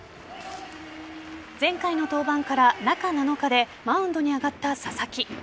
前回の登板から中７日でマウンドに上がった佐々木。